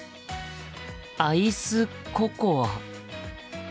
アイスココア。